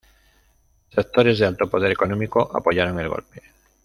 Sectores de alto poder económico apoyaron el golpe.